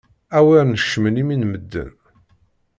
Awer nekcem imi n medden!